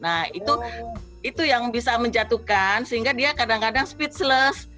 nah itu yang bisa menjatuhkan sehingga dia kadang kadang speechless